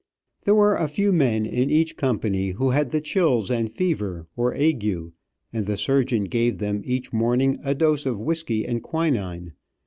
There were a few men in each company who had the chills and fever, or ague, and the surgeon gave them each morning, a dose of whisky and quinine.